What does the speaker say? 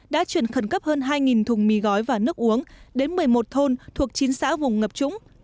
đã chuyển khẩn cấp hơn hai thùng mì gói và nước uống đến một mươi một thôn thuộc chín xã vùng ngập trũng